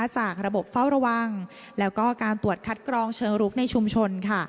จากระบบเฝ้าระวังแล้วก็การตรวจคัดกรองเชิงรุกในชุมชนค่ะ